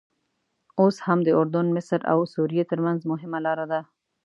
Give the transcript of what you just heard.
اوس هم د اردن، مصر او سوریې ترمنځ مهمه لاره ده.